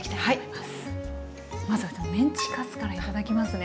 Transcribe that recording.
まずはメンチカツから頂きますね。